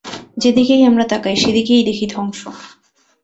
যেদিকেই আমরা তাকাই, সেদিকেই দেখি ধ্বংস।